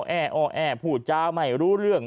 อ่อแออ่อแอพูดจ้าไม่รู้เรื่อง